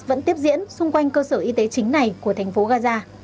vẫn tiếp diễn xung quanh cơ sở y tế chính này của thành phố gaza